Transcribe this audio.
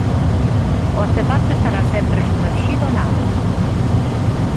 O artefacto estará sempre somerxido na auga.